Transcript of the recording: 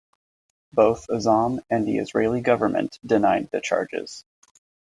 Both Azzam and the Israeli government denied the charges.